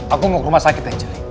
aku mau ke rumah sakit anggeli